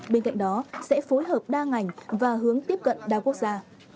bên cạnh đó sẽ phối hợp đa ngành và hướng tiếp cận đa quốc gia